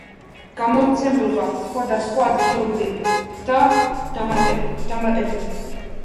გამომცემლობა სხვადასხვა ადგილობრივი და ყოველკვირეული დამატებები.